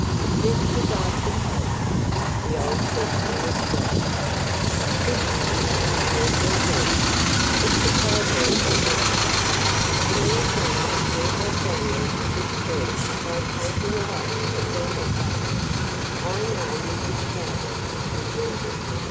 "Just as I supposed!" the old gentleman exclaimed. "This isn't a Warbler's egg. It's a Cowbird's egg. And you've done that Warbler family a good turn by taking it out of their nest. "I know Mrs. Cowbird," he went on.